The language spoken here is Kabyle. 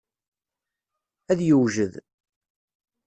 Ad yewjed.